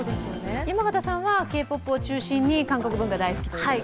山形さんはＫ−ＰＯＰ中心に韓国アイドルが大好きということで。